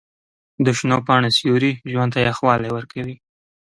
د شنو پاڼو سیوري ژوند ته یخوالی ورکوي.